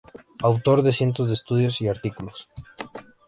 Autor de cientos de estudios y artículos.